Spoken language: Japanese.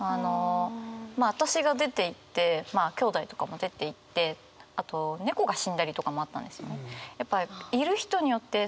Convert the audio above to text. まあ私が出ていってまあきょうだいとかも出ていってあと猫が死んだりとかもあったんですよね。